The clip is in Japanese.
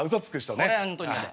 これは本当に嫌だ。